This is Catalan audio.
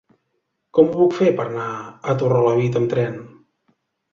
Com ho puc fer per anar a Torrelavit amb tren?